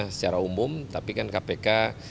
secara umum tapi kan kpk